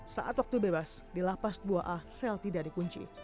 saat waktu bebas di lapas dua a sel tidak dikunci